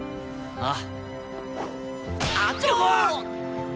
ああ？